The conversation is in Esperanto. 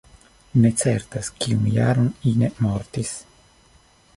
Ne certas kiun jaron Ine mortis.